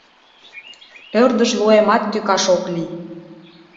Ӧрдыжлуэмат тӱкаш ок лий.